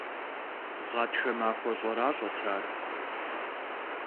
Гъатхэ махуэ щӏэращӏэт ар.